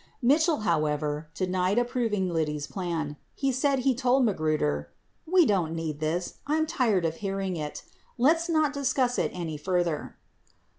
96 Mitchell, however, denied approving the Liddy plan. He said he told Magruder "we don't need this, I'm tired of hearing it, let's not discuss it any further."